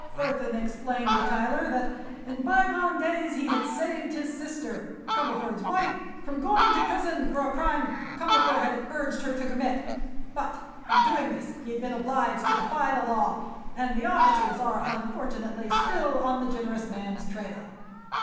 Burthon explained to Tyler that in bygone days he had saved his sister, Cumberford's wife, from going to prison for a crime Cumberford had urged her to commit, but in doing this he had been obliged to defy the law, and the officers are unfortunately still on the generous man's trail.